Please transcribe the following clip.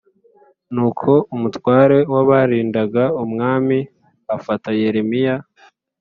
Nuko umutware w abarindaga umwami afata Yeremiya